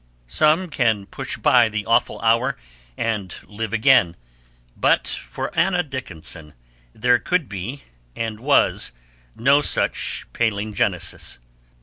Some can push by the awful hour and live again, but for Anna Dickinson there could be, and was, no such palingenesis.